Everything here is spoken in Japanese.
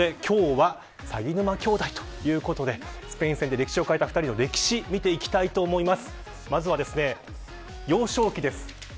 ということで今日は鷺沼兄弟ということでスペイン戦で歴史を変えた２人の歴史を見ていきたいと思います。